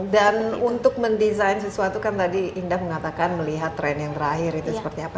dan untuk mendesain sesuatu kan tadi indah mengatakan melihat trend yang terakhir itu seperti apa